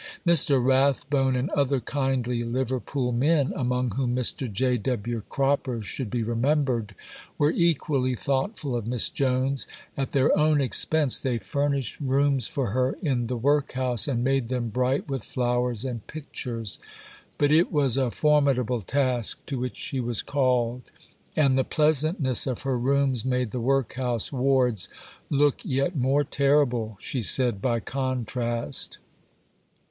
Mr. Rathbone and other kindly Liverpool men (among whom Mr. J. W. Cropper should be remembered) were equally thoughtful of Miss Jones. At their own expense they furnished rooms for her in the workhouse, and made them bright with flowers and pictures. But it was a formidable task to which she was called, and the pleasantness of her rooms made the workhouse wards look yet more terrible, she said, by contrast.